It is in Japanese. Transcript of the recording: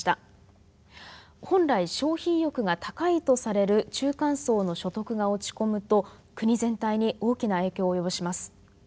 本来消費意欲が高いとされる中間層の所得が落ち込むと国全体に大きな影響を及ぼします。